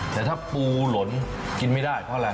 แต่ถ้าปูหล่นกินไม่ได้เพราะอะไร